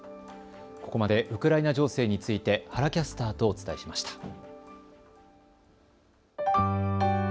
ここまでウクライナ情勢について原キャスターとお伝えしました。